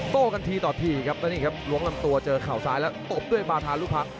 โต้กันทีต่อทีครับแล้วนี่ครับล้วงลำตัวเจอเข่าซ้ายแล้วตบด้วยบาธาลูกพัก